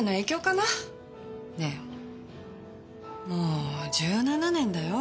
ねえもう１７年だよ。